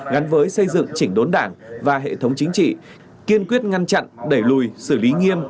gắn với xây dựng chỉnh đốn đảng và hệ thống chính trị kiên quyết ngăn chặn đẩy lùi xử lý nghiêm